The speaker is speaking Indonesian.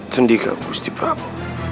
sendika busti prabu